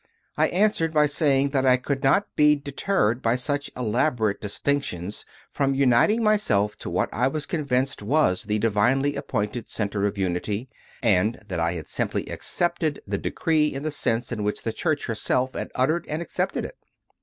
I answered by saying that I could not be deterred by such elaborate distinctions from uniting myself to what I was convinced was the divinely appointed centre of Unity and that I had simply accepted the Decree in the sense in which the Church herself had uttered and accepted it.